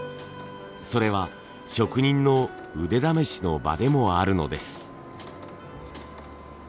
それは職人の腕試しの場でもあるのです。